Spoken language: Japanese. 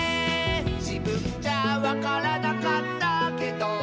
「じぶんじゃわからなかったけど」